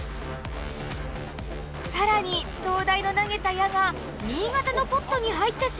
さらに東大の投げた矢が新潟のポットにはいってしまいます。